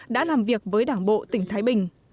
đã làm việc với đảng bộ tỉnh thái bình